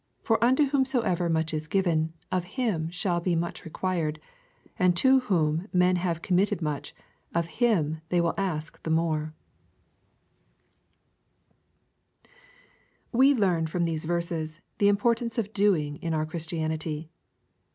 For unto whomsoever much is given, of him shall be much rec^uired : and to wlioin men have committed much, of him they will ask the more. We learn from these verses, the importance of doing, in (yur Christianity.